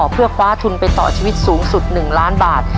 เพื่อคว้าทุนไปต่อชีวิตสูงสุด๑ล้านบาท